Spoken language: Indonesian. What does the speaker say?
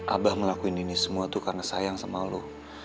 abah ngelakuin ini semua tuh karena sayang sama lo